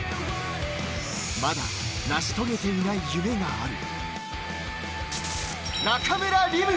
まだ成し遂げていない夢がある。